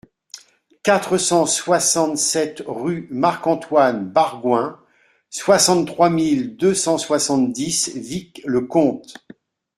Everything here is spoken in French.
quatre cent soixante-sept rue Marc-Antoine Bargoin, soixante-trois mille deux cent soixante-dix Vic-le-Comte